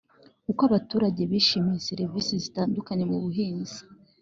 uko abaturage bishimiye serivisi zitandukanye mu buhinzi